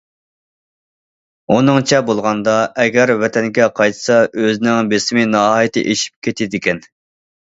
ئۇنىڭچە بولغاندا، ئەگەر ۋەتەنگە قايتسا ئۆزىنىڭ بېسىمى ناھايىتى ئېشىپ كېتىدىكەن.